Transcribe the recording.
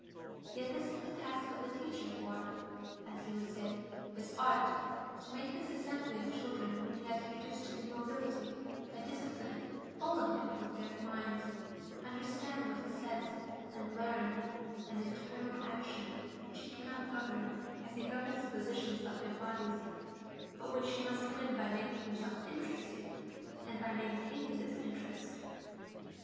Yet this is the task of the teacher, or, as he would say, his "art": to make this assembly of children whom he has reduced to immobility by discipline follow him with their minds, understand what he says, and learn; an internal action, which he cannot govern, as he governs the position of their bodies, but which he must win by making himself interesting, and by maintaining this interest.